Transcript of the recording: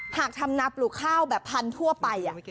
หากทำนาปลูกข้าวแบบพันธุ์ทั่วไป